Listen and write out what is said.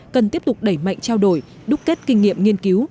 cần tiếp tục đẩy mạnh trao đổi đúc kết kinh nghiệm nghiên cứu